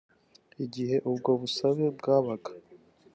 Igihe ubwo busabe bwabaga